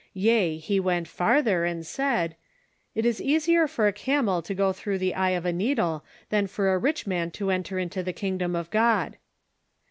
Yea, He went farther and said :" It is easier for a camel to go through the eye of a nee dle than for a rich man to enter into the kingdom of God."